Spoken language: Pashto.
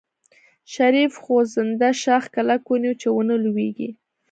شريف خوځنده شاخ کلک ونيو چې ونه لوېږي.